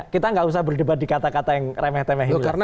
kita nggak usah berdebat di kata kata yang remeh temeh ini